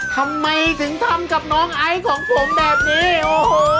ทำไมถึงทำกับน้องไอซ์ของผมแบบนี้โอ้โห